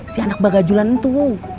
si anak bagajulan itu